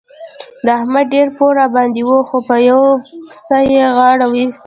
د احمد ډېر پور راباندې وو خو په یوه پسه يې غاړه وېسته.